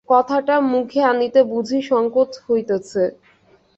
কথাটা মুখে আনিতে বুঝি সঙ্কোচ হইতেছে!